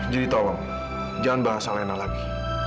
jadi tolong jangan bahas alena lagi